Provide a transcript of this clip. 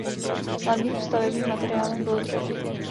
Hlavním stavebním materiálem bylo dřevo.